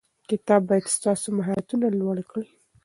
کتاب باید ستاسو مهارتونه لوړ کړي.